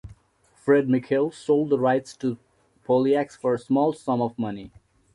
Fred Michel sold the rights to Polliacks for a small sum of money.